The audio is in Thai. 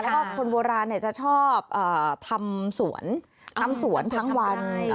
และคนโบราณจะชอบทำสวนทั้งวัน